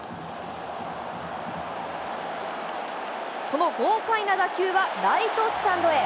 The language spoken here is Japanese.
この豪快な打球はライトスタンドへ。